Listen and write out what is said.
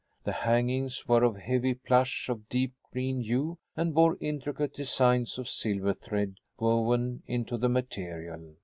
The hangings were of heavy plush of deep green hue and bore intricate designs of silver thread woven into the material.